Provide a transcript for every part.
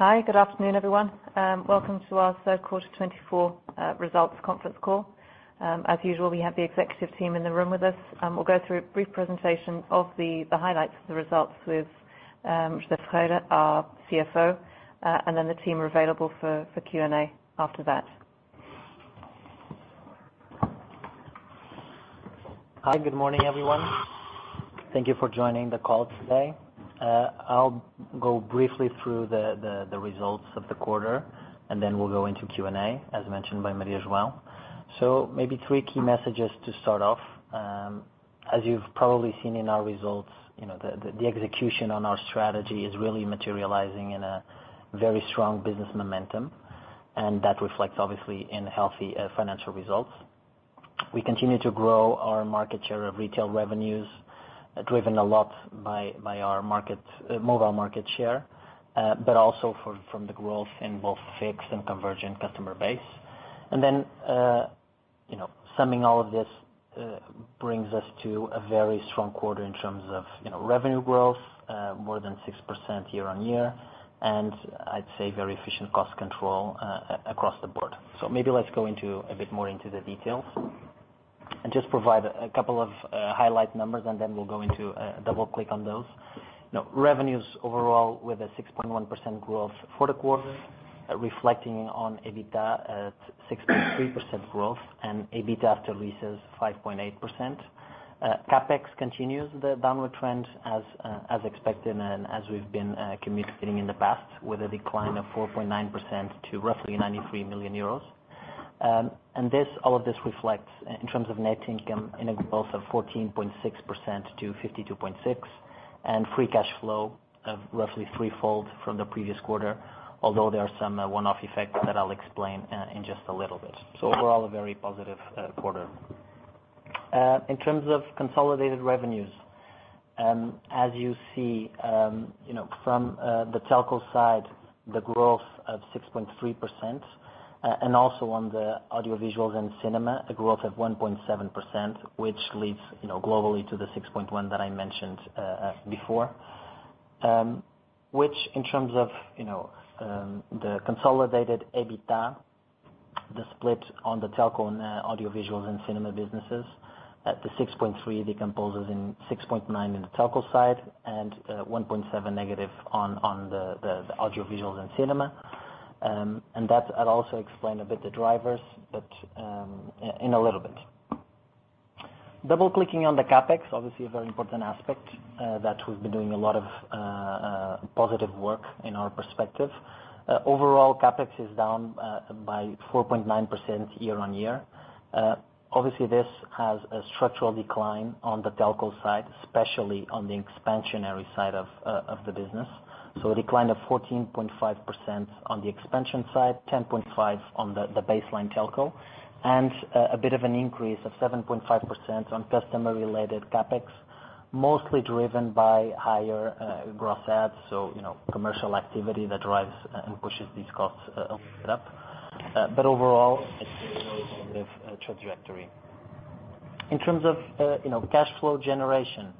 Hi, good afternoon everyone. Welcome to our SGPS 24 results conference call. As usual, we have the executive team in the room with us. We'll go through a brief presentation of the highlights of the results with José Ferreira, our CFO, and then the team are available for Q&A after that. Hi, good morning everyone. Thank you for joining the call today. I'll go briefly through the results of the quarter, and then we'll go into Q&A, as mentioned by Maria João. So maybe three key messages to start off. As you've probably seen in our results, you know, the execution on our strategy is really materializing in a very strong business momentum, and that reflects, obviously, in healthy financial results. We continue to grow our market share of retail revenues, driven a lot by our mobile market share, but also from the growth in both fixed and convergent customer base. And then, you know, summing all of this, brings us to a very strong quarter in terms of, you know, revenue growth, more than 6% year on year, and I'd say very efficient cost control, across the board. So maybe let's go into a bit more into the details and just provide a couple of highlight numbers, and then we'll go into double-click on those. You know, revenues overall with a 6.1% growth for the quarter, reflecting on EBITDA at 6.3% growth and EBITDA after leases 5.8%. CapEx continues the downward trend as expected and as we've been communicating in the past, with a decline of 4.9% to roughly 93 million euros. And this all of this reflects in terms of net income in a growth of 14.6% to 52.6 million, and free cash flow of roughly threefold from the previous quarter, although there are some one-off effects that I'll explain in just a little bit. So overall, a very positive quarter. In terms of consolidated revenues, as you see, you know, from the telco side, the growth of 6.3%, and also on the audiovisuals and cinema, a growth of 1.7%, which leads, you know, globally to the 6.1% that I mentioned before. Which in terms of, you know, the consolidated EBITDA, the split on the telco and audiovisuals and cinema businesses, the 6.3% decomposes in 6.9% on the telco side and 1.7% negative on the audiovisuals and cinema. And that, I'll also explain a bit the drivers, but in a little bit. Double-clicking on the CapEx, obviously a very important aspect, that we've been doing a lot of positive work in our perspective. Overall, CapEx is down by 4.9% year-on-year. Obviously this has a structural decline on the telco side, especially on the expansionary side of the business. So a decline of 14.5% on the expansion side, 10.5% on the baseline telco, and a bit of an increase of 7.5% on customer-related CAPEX, mostly driven by higher gross adds. So, you know, commercial activity that drives and pushes these costs a little bit up. But overall, it's a very positive trajectory. In terms of, you know, cash flow generation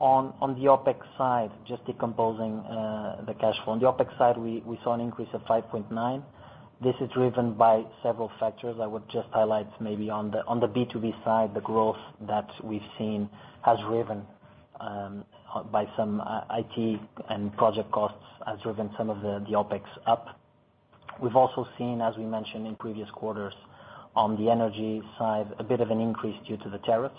on the OPEX side, just decomposing the cash flow. On the OPEX side, we saw an increase of 5.9%. This is driven by several factors. I would just highlight maybe on the B2B side, the growth that we've seen has driven by some IT and project costs has driven some of the OpEx up. We've also seen, as we mentioned in previous quarters, on the energy side, a bit of an increase due to the tariffs.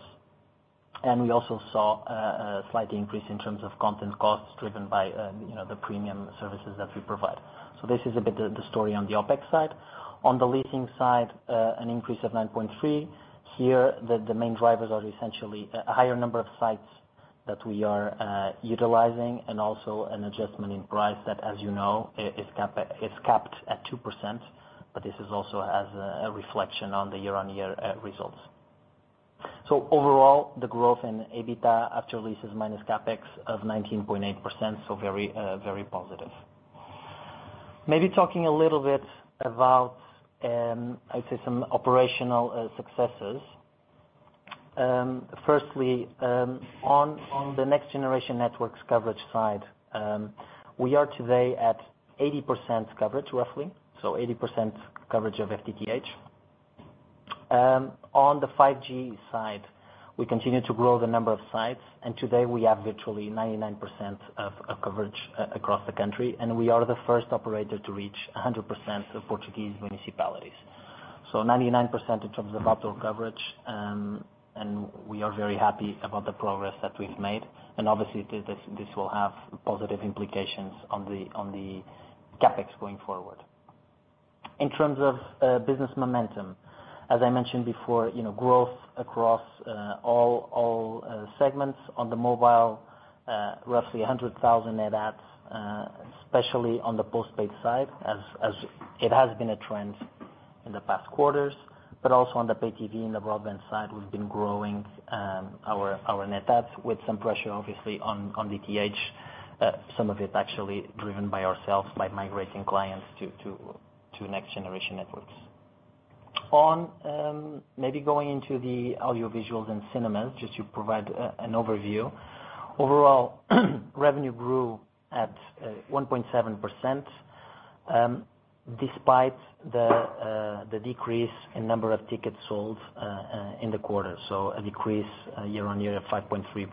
And we also saw a slight increase in terms of content costs driven by, you know, the premium services that we provide. So this is a bit of the story on the OpEx side. On the leasing side, an increase of 9.3%. Here, the main drivers are essentially a higher number of sites that we are utilizing, and also an adjustment in price that, as you know, is capped at 2%, but this is also as a reflection on the year-on-year results. So overall, the growth in EBITDA after leases minus CapEx of 19.8%, so very, very positive. Maybe talking a little bit about, I'd say some operational successes. Firstly, on the next generation networks coverage side, we are today at 80% coverage, roughly, so 80% coverage of FTTH. On the 5G side, we continue to grow the number of sites, and today we have virtually 99% of coverage across the country, and we are the first operator to reach 100% of Portuguese municipalities. So 99% in terms of outdoor coverage, and we are very happy about the progress that we've made and obviously this will have positive implications on the CapEx going forward. In terms of business momentum, as I mentioned before, you know, growth across all segments. On the mobile, roughly 100,000 net adds, especially on the postpaid side, as it has been a trend in the past quarters, but also on the pay-TV and the broadband side, we've been growing our net adds with some pressure, obviously, on DTH, some of it actually driven by ourselves by migrating clients to next generation networks. Oh, maybe going into the audiovisuals and cinemas, just to provide an overview. Overall, revenue grew at 1.7%, despite the decrease in number of tickets sold in the quarter, so a decrease year-on-year of 5.3%.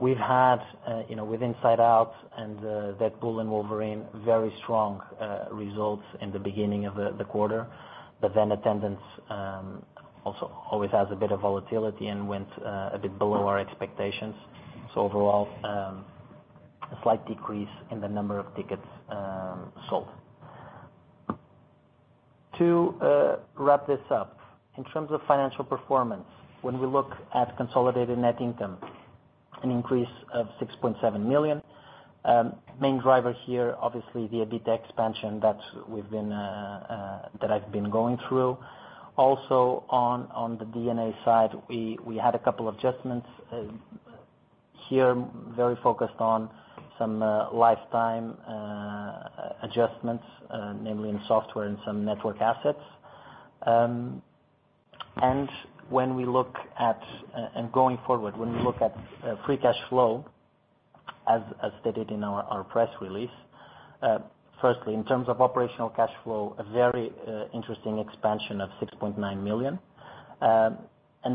We've had, you know, with Inside Out and Deadpool and Wolverine, very strong results in the beginning of the quarter, but then attendance also always has a bit of volatility and went a bit below our expectations. So overall, a slight decrease in the number of tickets sold. To wrap this up, in terms of financial performance, when we look at consolidated net income, an increase of 6.7 million. The main driver here, obviously, the EBITDA expansion that I've been going through. Also, on the D&A side, we had a couple of adjustments here, very focused on some lifetime adjustments, namely in software and some network assets. When we look at, going forward, when we look at free cash flow, as stated in our press release, firstly, in terms of operational cash flow, a very interesting expansion of 6.9 million.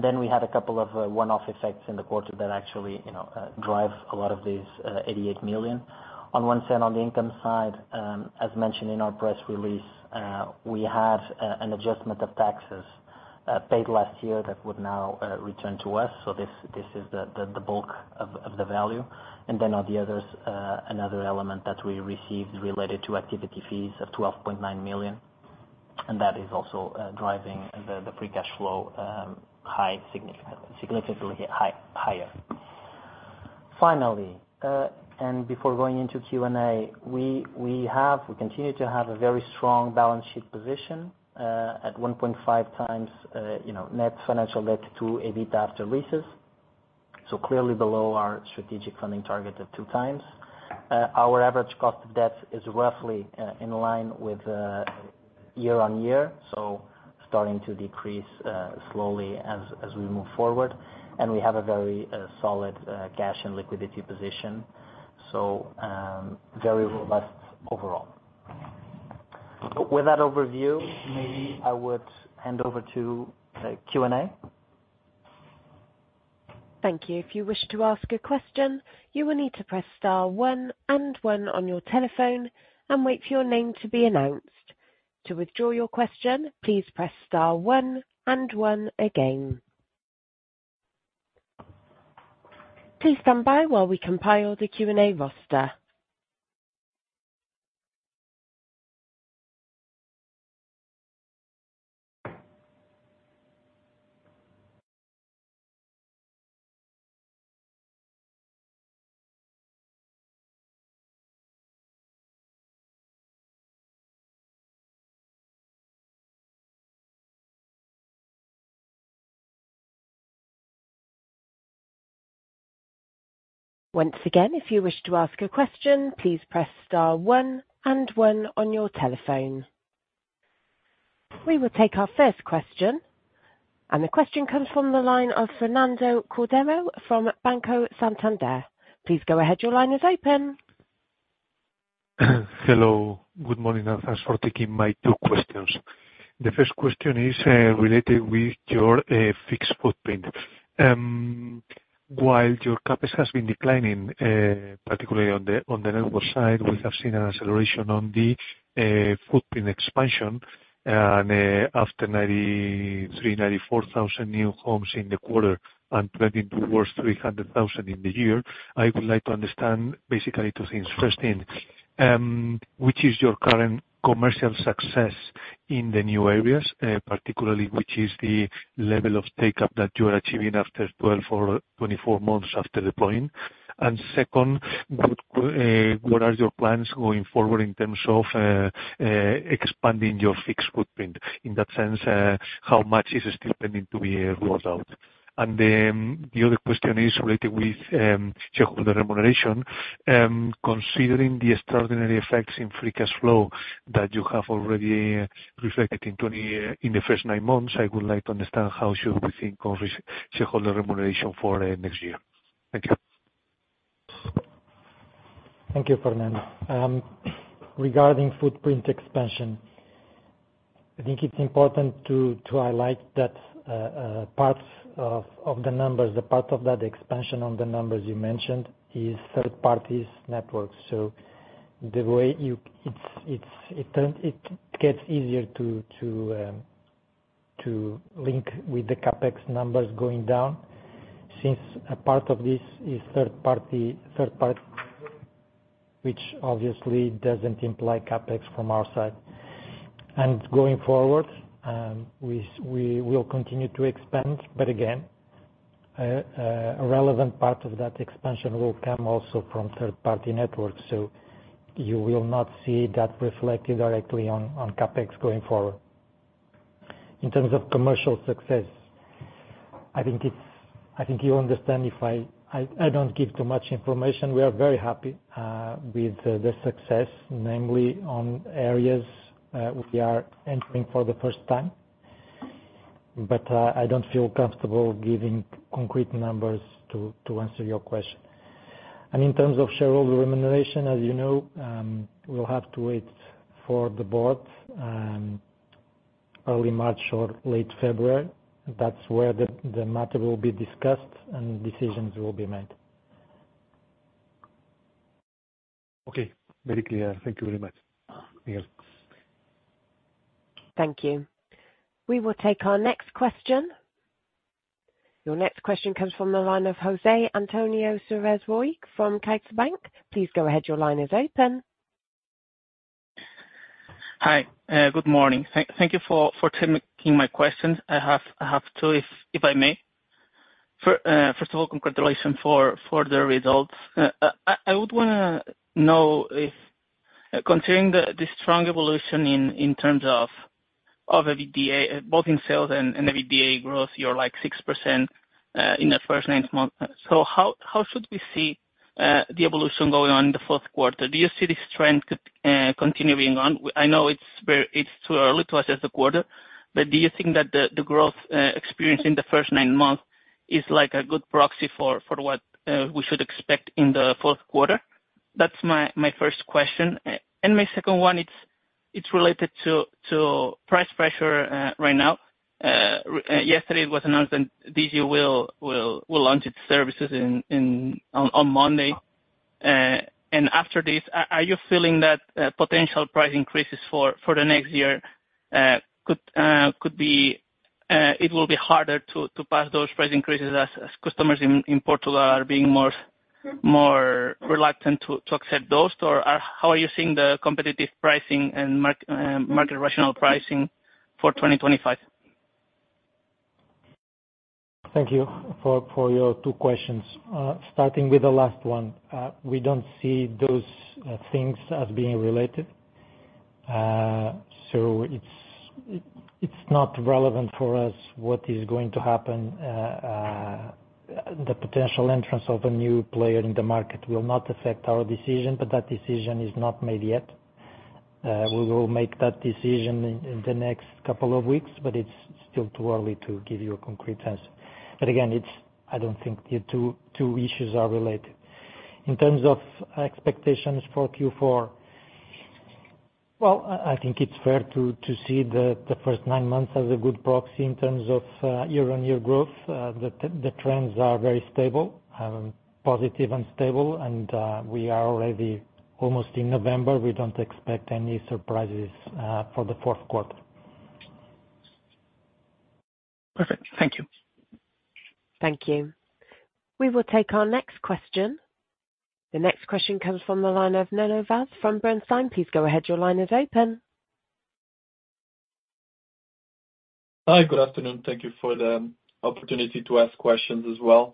Then we had a couple of one-off effects in the quarter that actually, you know, drive a lot of these 88 million. On one side, on the income side, as mentioned in our press release, we had an adjustment of taxes paid last year that would now return to us. So this is the bulk of the value. Then on the others, another element that we received related to activity fees of 12.9 million, and that is also driving the free cash flow significantly higher. Finally, before going into Q&A, we continue to have a very strong balance sheet position at 1.5 times, you know, net financial debt to EBITDA after leases. So clearly below our strategic funding target of two times. Our average cost of debt is roughly in line with year on year, so starting to decrease slowly as we move forward. And we have a very solid cash and liquidity position. So very robust overall. With that overview, maybe I would hand over to Q&A. Thank you. If you wish to ask a question, you will need to press star one and one on your telephone and wait for your name to be announced. To withdraw your question, please press star one and one again. Please stand by while we compile the Q&A roster. Once again, if you wish to ask a question, please press star one and one on your telephone. We will take our first question, and the question comes from the line of Fernando Cordeiro from Banco Santander. Please go ahead. Your line is open. Hello. Good morning. Thanks for taking my two questions. The first question is related with your fixed footprint. While your CapEX has been declining, particularly on the network side, we have seen an acceleration on the footprint expansion, and after 93,000-94,000 new homes in the quarter and planning towards 300,000 in the year, I would like to understand basically two things. First thing, which is your current commercial success in the new areas, particularly which is the level of take-up that you are achieving after 12 or 24 months after deploying? And second, what, what are your plans going forward in terms of expanding your fixed footprint? In that sense, how much is still pending to be rolled out? And the other question is related with shareholder remuneration. Considering the extraordinary effects in free cash flow that you have already reflected in 2020 in the first nine months, I would like to understand how should we think of shareholder remuneration for next year. Thank you. Thank you, Fernando. Regarding footprint expansion, I think it's important to highlight that part of the numbers, the part of that expansion on the numbers you mentioned is third-party networks. So the way you, it's, it turns, it gets easier to link with the CapEx numbers going down since a part of this is third-party, which obviously doesn't imply CapEx from our side, and going forward, we will continue to expand, but again, a relevant part of that expansion will come also from third-party networks. So you will not see that reflected directly on CapEx going forward. In terms of commercial success, I think you understand if I don't give too much information. We are very happy with the success, namely on areas we are entering for the first time, but I don't feel comfortable giving concrete numbers to answer your question. And in terms of shareholder remuneration, as you know, we'll have to wait for the board early March or late February. That's where the matter will be discussed and decisions will be made. Okay. Very clear. Thank you very much. Thank you. We will take our next question. Your next question comes from the line of José Antonio Cerezo from CaixaBank. Please go ahead. Your line is open. Hi. Good morning. Thank you for taking my questions. I have two, if I may. First of all, congratulations for the results. I would wanna know if, considering the strong evolution in terms of EBITDA, both in sales and EBITDA growth, you're like 6%, in the first nine months. How should we see the evolution going on in the fourth quarter? Do you see this trend could continue being on? I know it's very, it's too early to assess the quarter, but do you think that the growth experienced in the first nine months is like a good proxy for what we should expect in the fourth quarter? That's my first question. My second one is related to price pressure right now. Regarding yesterday it was announced that Digi will launch its services on Monday. After this, are you feeling that potential price increases for the next year could it be harder to pass those price increases as customers in Portugal are being more reluctant to accept those? Or how are you seeing the competitive pricing and market rational pricing for 2025? Thank you for your two questions. Starting with the last one, we don't see those things as being related. It's not relevant for us what is going to happen. The potential entrance of a new player in the market will not affect our decision, but that decision is not made yet. We will make that decision in the next couple of weeks, but it's still too early to give you a concrete answer. Again, I don't think the two issues are related. In terms of expectations for Q4, I think it's fair to see the first nine months as a good proxy in terms of year-on-year growth. The trends are very stable, positive, and stable, and we are already almost in November. We don't expect any surprises for the fourth quarter. Perfect. Thank you. Thank you. We will take our next question. The next question comes from the line of NOS SGPS José Koch Ferreira, from Bernstein. Please go ahead. Your line is open. Hi. Good afternoon. Thank you for the opportunity to ask questions as well.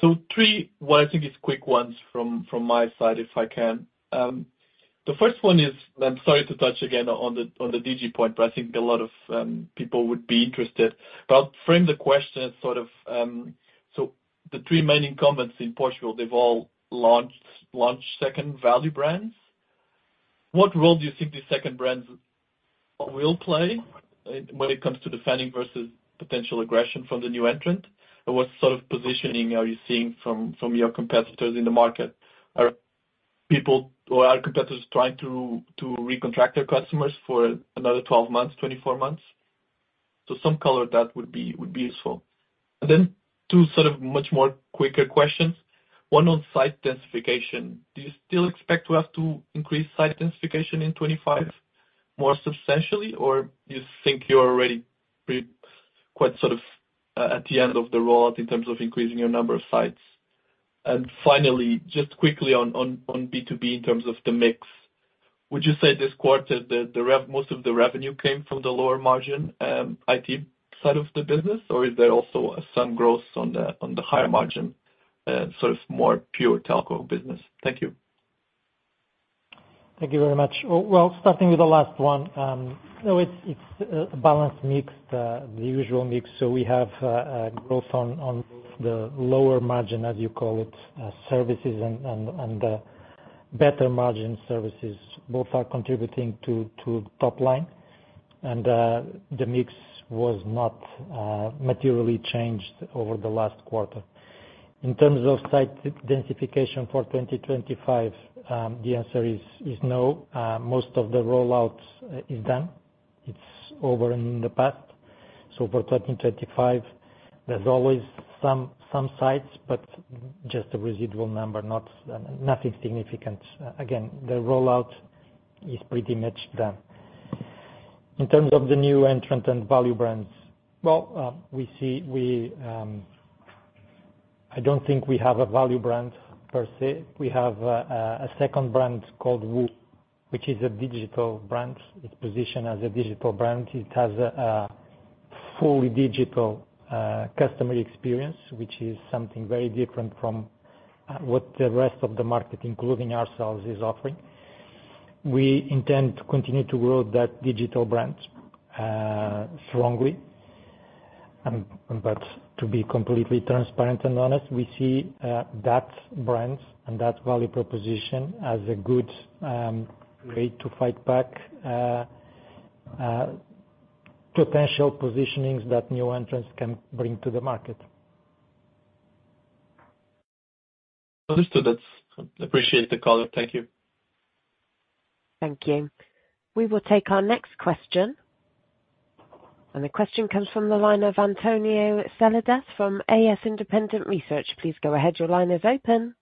So three, what I think is quick ones from my side, if I can. The first one is, and I'm sorry to touch again on the DG point, but I think a lot of people would be interested. But I'll frame the question as sort of so the three main incumbents in Portugal, they've all launched second value brands. What role do you think these second brands will play when it comes to defending versus potential aggression from the new entrant? And what sort of positioning are you seeing from your competitors in the market? Are people or are competitors trying to recontract their customers for another 12 months, 24 months? So some color that would be useful. And then two sort of much more quicker questions. One on site densification. Do you still expect to have to increase site densification in 2025 more substantially, or do you think you're already pretty quite sort of at the end of the road in terms of increasing your number of sites? And finally, just quickly on B2B in terms of the mix, would you say this quarter there most of the revenue came from the lower margin, IT side of the business, or is there also some growth on the higher margin, sort of more pure telco business? Thank you. Thank you very much. Well, starting with the last one, so it's a balanced mix, the usual mix. So we have growth on the lower margin, as you call it, services and better margin services. Both are contributing to top line. And the mix was not materially changed over the last quarter. In terms of site densification for 2025, the answer is no. Most of the rollout is done. It's over in the past. So for 2025, there's always some sites, but just a residual number, nothing significant. Again, the rollout is pretty much done. In terms of the new entrant and value brands, well, we see, I don't think we have a value brand per se. We have a second brand called Woo, which is a digital brand. It's positioned as a digital brand. It has a fully digital customer experience, which is something very different from what the rest of the market, including ourselves, is offering. We intend to continue to grow that digital brand strongly, but to be completely transparent and honest, we see that brand and that value proposition as a good way to fight back potential positionings that new entrants can bring to the market. Understood. That's. I appreciate the color. Thank you. Thank you. We will take our next question. And the question comes from the line of Antonio Cerezo from A.S. Independent Research. Please go ahead. Your line is open.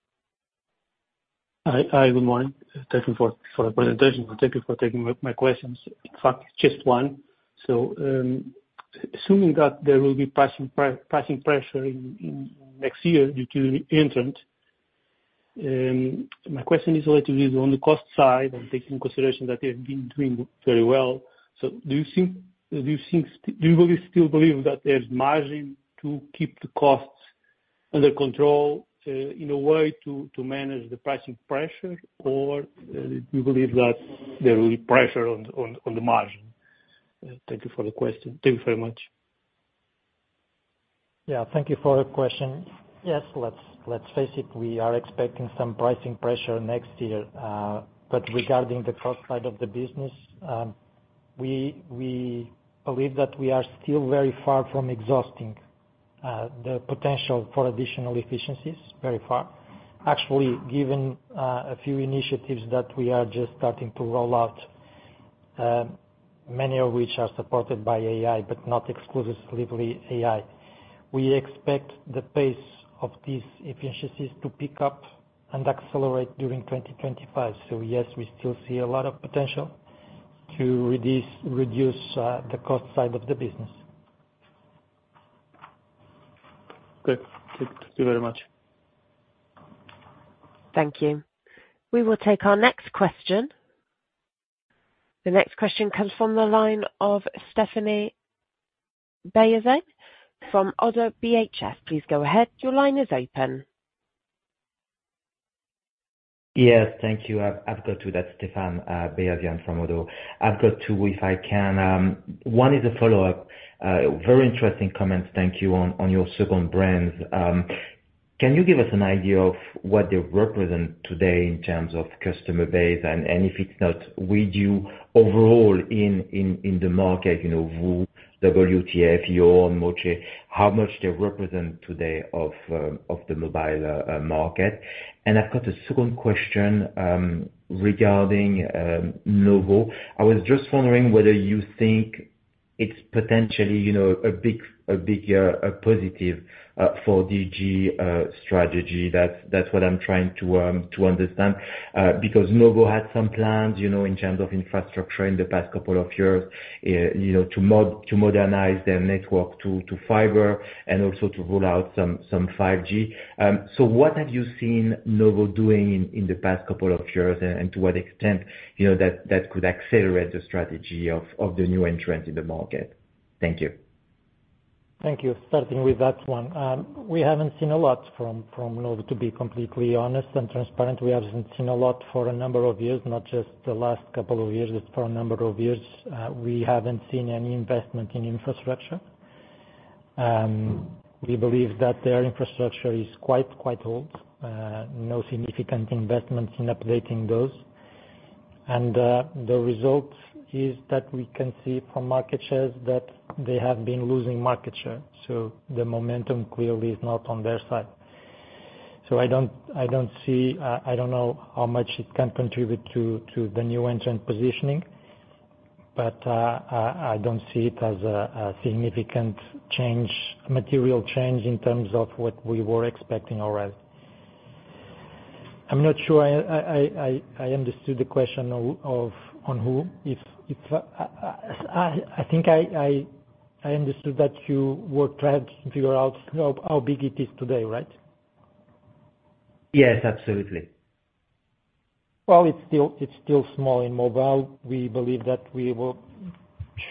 Hi. Hi. Good morning. Thank you for the presentation. Thank you for taking my questions. In fact, just one. So, assuming that there will be pricing pressure in next year due to the entrant, my question is related to the cost side and taking into consideration that they have been doing very well. So do you think you really still believe that there's margin to keep the costs under control, in a way to manage the pricing pressure, or do you believe that there will be pressure on the margin? Thank you for the question. Thank you very much. Yeah. Thank you for the question. Yes. Let's face it. We are expecting some pricing pressure next year. But regarding the cost side of the business, we believe that we are still very far from exhausting the potential for additional efficiencies, very far. Actually, given a few initiatives that we are just starting to roll out, many of which are supported by AI, but not exclusively AI, we expect the pace of these efficiencies to pick up and accelerate during 2025. So yes, we still see a lot of potential to reduce the cost side of the business. Good. Thank you very much. Thank you. We will take our next question. The next question comes from the line of Stéphane Beyazian from Oddo BHF. Please go ahead. Your line is open. Yes. Thank you. I've got to that, Stéphane Beyazian, I'm from Oddo. I've got two, if I can. One is a follow-up, very interesting comments. Thank you on your second brands. Can you give us an idea of what they represent today in terms of customer base and if it's not, would you overall in the market, you know, Woo, WTF, Yorn, Moche, how much they represent today of the mobile market? And I've got a second question regarding Nowo. I was just wondering whether you think it's potentially, you know, a big positive for DG strategy. That's what I'm trying to understand, because Nowo had some plans, you know, in terms of infrastructure in the past couple of years, you know, to modernize their network to fiber and also to roll out some 5G. What have you seen Nowo doing in the past couple of years and to what extent, you know, that could accelerate the strategy of the new entrant in the market? Thank you. Thank you. Starting with that one, we haven't seen a lot from Nowo, to be completely honest and transparent. We haven't seen a lot for a number of years, not just the last couple of years. It's for a number of years. We haven't seen any investment in infrastructure. We believe that their infrastructure is quite old, no significant investments in updating those. The result is that we can see from market shares that they have been losing market share. So the momentum clearly is not on their side. So I don't see, I don't know how much it can contribute to the new entrant positioning, but I don't see it as a significant change, material change in terms of what we were expecting already. I'm not sure I understood the question of on who. I think I understood that you were trying to figure out how big it is today, right? Yes. Absolutely. It's still small in mobile. We believe that we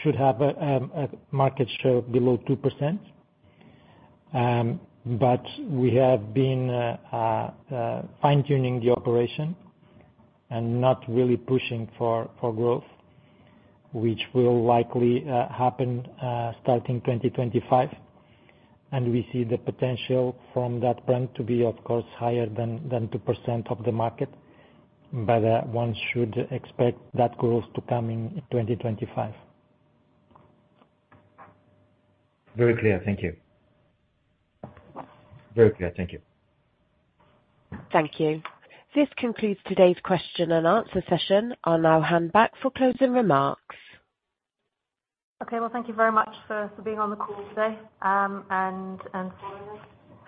should have a market share below 2%. But we have been fine-tuning the operation and not really pushing for growth, which will likely happen starting 2025. We see the potential from that brand to be, of course, higher than 2% of the market, but one should expect that growth to come in 2025. Very clear. Thank you. Very clear. Thank you. Thank you. This concludes today's question and answer session. I'll now hand back for closing remarks. Okay. Well, thank you very much for being on the call today, and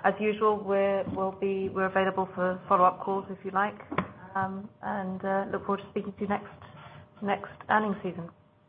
as usual, we'll be available for follow-up calls if you like. Look forward to speaking to you next earnings season.